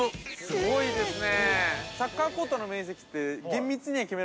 ◆すごいですね。